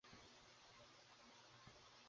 তিনি মেদিনীপুর জেলায় জন্মগ্রহণ করেন।